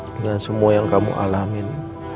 dengan semua yang kamu alamin